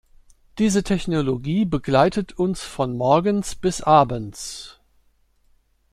Diese Technologie begleitet uns von morgens bis abends.